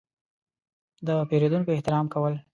– د پېرودونکو احترام کول.